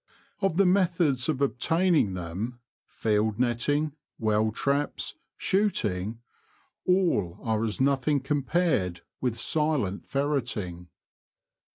Of the methods of obtaining them — field netting, well traps, shooting — all are as nothing compared with silent ferreting.